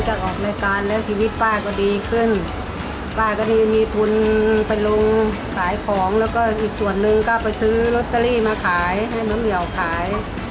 ออกรายการแล้วชีวิตป้าก็ดีขึ้นป้าก็ได้มีทุนไปลงขายของแล้วก็อีกส่วนหนึ่งก็ไปซื้อลอตเตอรี่มาขายให้น้องเหี่ยวขาย